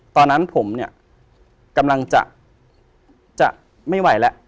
ตอนนั้นผมเนี่ยกำลังจะไม่ไหวแล้ว